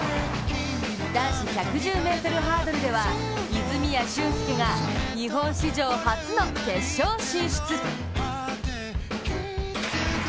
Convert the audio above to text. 男子１１０ｍハードルでは、泉谷駿介が日本史上初の決勝進出。